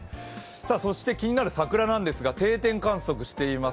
そして気になる桜なんですが、定点観測しています